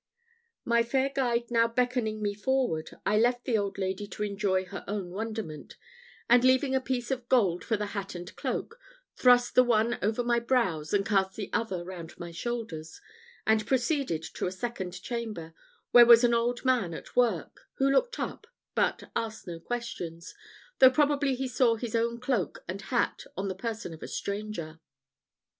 My fair guide now beckoning me forward, I left the old lady to enjoy her own wonderment; and leaving a piece of gold for the hat and cloak, thrust the one over my brows, and cast the other round my shoulders, and proceeded to a second chamber, where was an old man at work, who looked up, but asked no questions, though probably he saw his own cloak and hat on the person of a stranger.